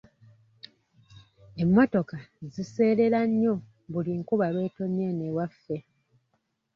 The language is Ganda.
Emmotoka ziseerera nnyo buli nkuba lw'etonnya eno ewaffe.